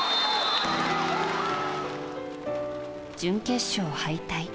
準決勝敗退。